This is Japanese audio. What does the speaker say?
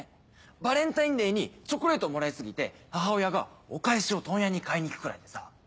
バレンタインデーにチョコレートをもらい過ぎて母親がお返しを問屋に買いに行くくらいでさぁ。